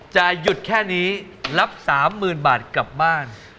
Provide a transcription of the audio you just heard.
จะหยุดแค่นี้รับ๓๐๐๐บาทกลับบ้าน